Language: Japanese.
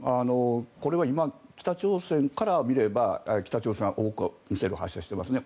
これは今、北朝鮮から見れば北朝鮮は多くミサイルを発射していますね。